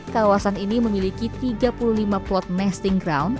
kawasan ini memiliki tiga puluh lima plot masting ground